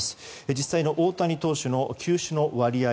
実際の大谷投手の球種の割合。